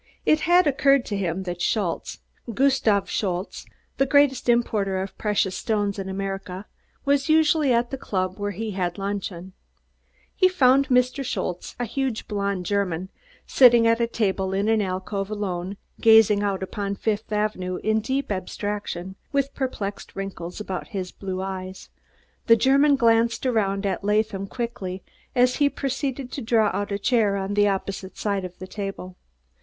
It had occurred to him that Schultze Gustave Schultze, the greatest importer of precious stones in America was usually at the club where he had luncheon, and He found Mr. Schultze, a huge blond German, sitting at a table in an alcove, alone, gazing out upon Fifth Avenue in deep abstraction, with perplexed wrinkles about his blue eyes. The German glanced around at Latham quickly as he proceeded to draw out a chair on the opposite side of the table.